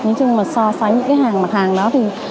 nhưng mà so sánh những cái hàng mặt hàng đó